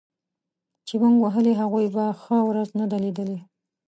چي موږ وهلي هغوی بیا ښه ورځ نه ده لیدلې